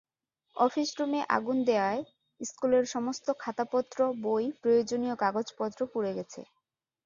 Office রুমে আগুন দেওয়ায় স্কুলের সমস্ত খাতাপত্র, বই, প্রয়োজনীয় কাগজপত্র পুড়ে গেছে।